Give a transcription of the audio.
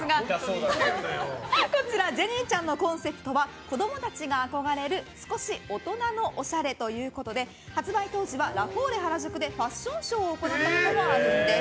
ジェニーちゃんのコンセプトは子供たちが憧れる少し大人のおしゃれということで発売当時はラフォーレ原宿でファッションショーを行ったこともあるんです。